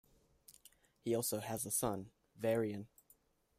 He also has a son, Varian.